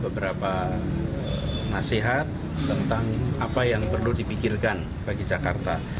beberapa nasihat tentang apa yang perlu dipikirkan bagi jakarta